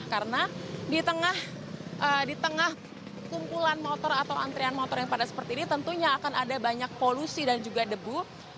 karena di tengah kumpulan motor atau antrian motor yang pada seperti ini tentunya akan ada banyak polusi dan juga debu